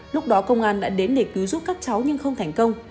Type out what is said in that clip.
lúc đó công an đã đến để cứu giúp các cháu nhưng không thành công